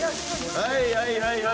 はいはいはい。